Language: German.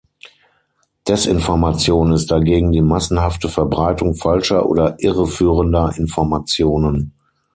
Desinformation ist dagegen die massenhafte Verbreitung falscher oder irreführender Informationen.